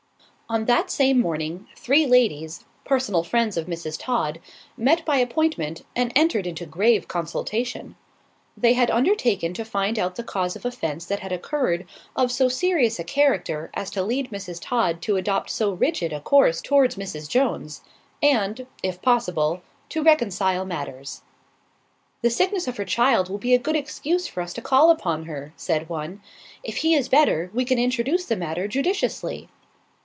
On that same morning, three ladies, personal friends of Mrs. Todd, met by appointment, and entered into grave consultation. They had undertaken to find out the cause of offence that had occurred, of so serious a character as to lead Mrs. Todd to adopt so rigid a course towards Mrs. Jones, and, if possible, to reconcile matters. "The sickness of her child will be a good excuse for us to call upon her," said one. "If he is better, we can introduce the matter judiciously."